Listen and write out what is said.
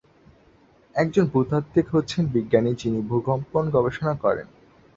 একজন ভূতাত্ত্বিক হচ্ছেন বিজ্ঞানী যিনি ভূকম্পন গবেষণা করেন।